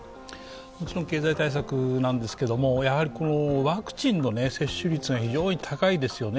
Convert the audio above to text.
経済対策なんですけどもワクチンの接種率が非常に高いですよね。